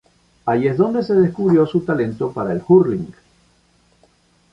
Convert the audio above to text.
Allí es donde se descubrió su talento para el "hurling".